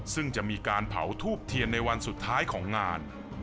ซึ่งจะมีการเผาทูบเทียนในวันสุดท้ายของงาน